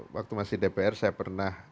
waktu masih dpr saya pernah